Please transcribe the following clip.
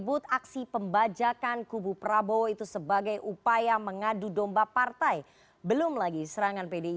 sudah mulai saling panas memanasi